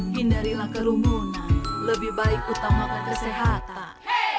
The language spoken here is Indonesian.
hindarilah kerumunan lebih baik utamakan kesehatan